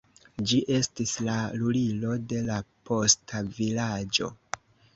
Ĝi estis la lulilo de la posta vilaĝo.